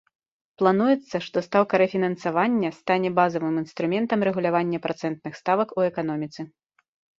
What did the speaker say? Плануецца, што стаўка рэфінансавання стане базавым інструментам рэгулявання працэнтных ставак у эканоміцы.